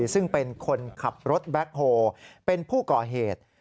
ซึ่งเป็นคนขับรถแบ็คโฮเป็นผู้ก่อเหตุ